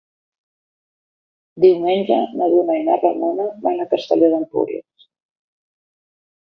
Diumenge na Duna i na Ramona van a Castelló d'Empúries.